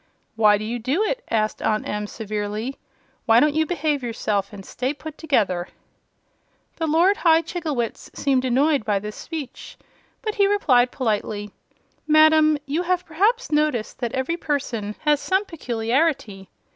"Why do you do it?" asked Aunt Em, severely. "Why don't you behave yourself, and stay put together?" The Lord High Chigglewitz seemed annoyed by this speech; but he replied, politely: "Madam, you have perhaps noticed that every person has some peculiarity.